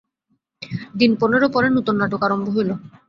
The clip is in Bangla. দিন পনেরো পরে নূতন নাটক আরম্ভ হইল।